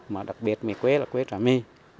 mà đặc biệt mì quế là quế trả my